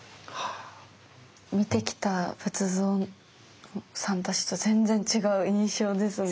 見てきた仏像さんたちと全然違う印象ですね。